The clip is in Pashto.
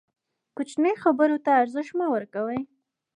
کوچنۍ خبرو ته ارزښت مه ورکوئ!